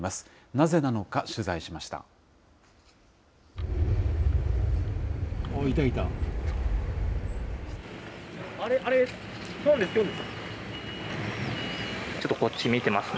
なぜなのか、取材しました。